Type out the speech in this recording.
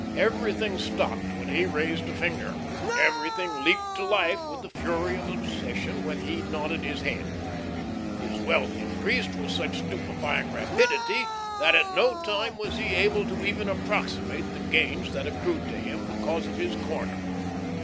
Everything stopped when he raised a finger; everything leaped to life with the fury of obsession when he nodded his head. His wealth increased with such stupefying rapidity, that at no time was he able to even approximate the gains that accrued to him because of his corner.